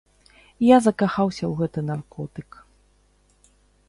Я закахаўся ў гэты наркотык.